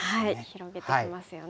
広げてきますよね。